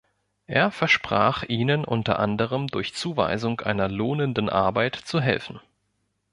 Er versprach ihnen unter anderem durch Zuweisung einer lohnenden Arbeit zu helfen.